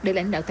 để lãnh đạo tp